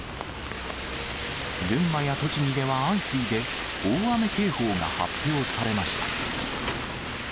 群馬や栃木では相次いで、大雨警報が発表されました。